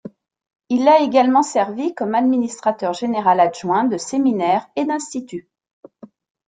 Il a également servi comme administrateur général adjoint de séminaires et d'instituts.